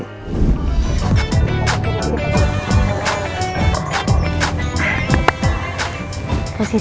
tidak aku pengen banget